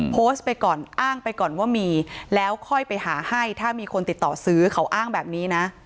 โพสต์ไปก่อนอ้างไปก่อนว่ามีแล้วค่อยไปหาให้ถ้ามีคนติดต่อซื้อเขาอ้างแบบนี้นะ